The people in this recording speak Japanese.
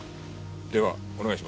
ではお願いします。